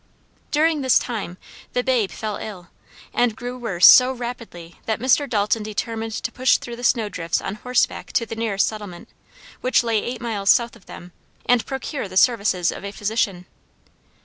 During this time the babe fell ill, and grew worse so rapidly that Mr. Dalton determined to push through the snow drifts on horseback to the nearest settlement, which lay eight miles south of them, and procure the services of a physician.